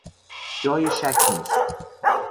جای شک نیست.